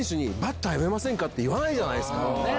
言わないじゃないですか。